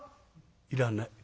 「いらない。